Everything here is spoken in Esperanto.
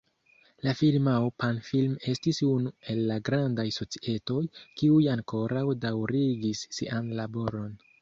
La firmao Pan-Film estis unu el la grandaj societoj, kiuj ankoraŭ daŭrigis sian laboron.